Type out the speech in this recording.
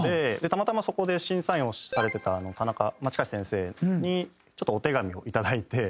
たまたまそこで審査員をされてた田中千香士先生にちょっとお手紙をいただいて。